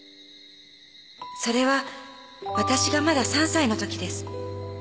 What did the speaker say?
それはわたしがまだ３歳のときです。